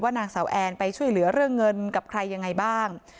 นางสาวแอนไปช่วยเหลือเรื่องเงินกับใครยังไงบ้าง